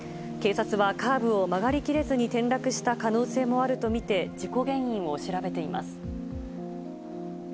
警察はカーブを曲がり切れずに転落した可能性もあると見て、事故原因を調べています。